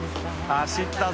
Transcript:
走ったぞ。